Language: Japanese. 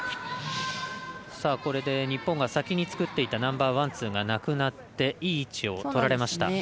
これで日本が先に作っていたナンバーワン、ツーがなくなっていい位置をとられました。